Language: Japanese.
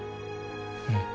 うん。